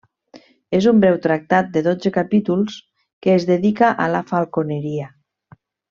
És un breu tractat de dotze capítols, que es dedica a la falconeria.